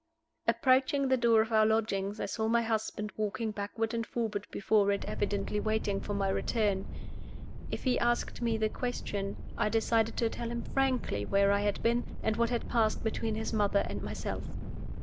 Approaching the door of our lodgings, I saw my husband walking backward and forward before it, evidently waiting for my return. If he asked me the question, I decided to tell him frankly where I had been, and what had passed between his mother and myself.